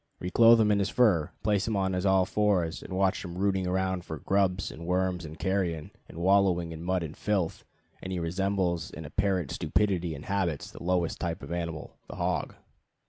Re clothe him in his fur, place him on his all fours, watch him rooting around for grubs and worms and carrion, and wallowing in mud and filth, and he resembles in apparent stupidity and habits the lowest type of animal the hog.